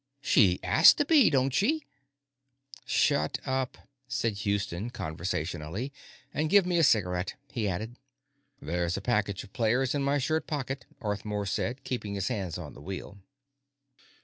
She 'as to be, don't she?" "Shut up," said Houston conversationally. "And give me a cigarette," he added. "There's a package of Players in my shirt pocket," Arthmore said, keeping his hands on the wheel.